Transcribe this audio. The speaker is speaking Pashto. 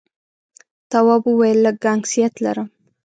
تواب وويل: لږ گنگسیت لرم.